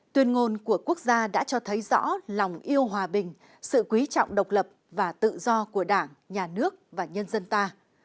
tuyên ngôn của quốc gia đã cho thấy rõ lòng yêu hòa bình sự quý trọng độc lập và tự do của đảng nhà nước và nhân dân ta